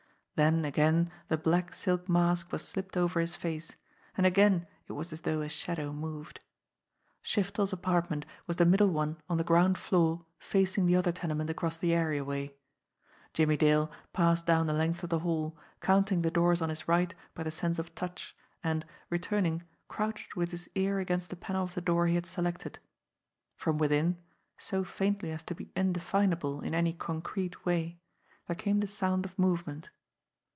Then again the black silk mask was slipped over his face, and again it was as though a shadow moved. Shif ters apartment was the middle one on the ground floor facing the other tenement across the areaway. Jimmie Dale passed down the length of the hall, counting the doors on his right by the sense of touch, and, returning, crouched with his ear against the panel of the door he had selected. From within, so faintly as to be indefinable in any concrete way, there came the sound of movement.